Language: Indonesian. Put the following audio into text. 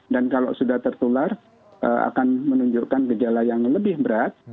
dan kalau sudah tertular akan menunjukkan gejala yang lebih berat